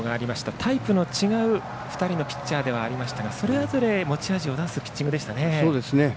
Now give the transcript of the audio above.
タイプの違う２人のピッチャーでしたがそれぞれ持ち味を出すピッチングでしたね。